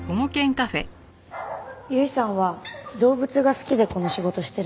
由比さんは動物が好きでこの仕事してるんですよね。